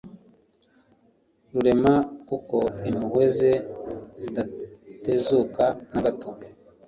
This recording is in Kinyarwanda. rurema, kuko impuhwe ze zidatezuka na gato